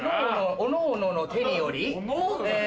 おのおのの手によりえ